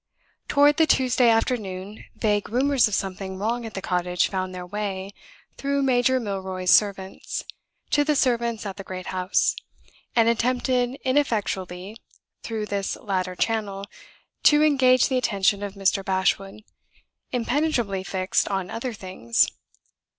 Toward the Tuesday afternoon, vague rumors of something wrong at the cottage found their way (through Major Milroy's servants) to the servants at the great house, and attempted ineffectually through this latter channel to engage the attention of Mr. Bashwood, impenetrably fixed on other things.